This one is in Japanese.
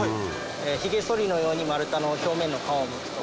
ひげそりのように丸太の表面の皮をむくと。